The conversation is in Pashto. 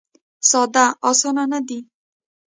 ساده اسانه نه دی.